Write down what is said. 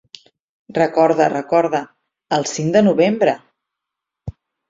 Recorda, recorda, el cinc de novembre!